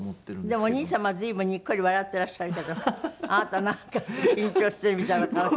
でもお兄様は随分にっこり笑ってらっしゃるけどあなたなんか緊張してるみたいな顔してる。